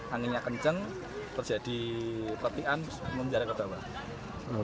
anginnya kencang terjadi pertihan menjara ke bawah